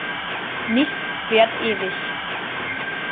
Nichts währt ewig.